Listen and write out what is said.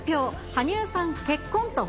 羽生さん、結婚と。